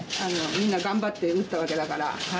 みんな頑張って打ったわけだから。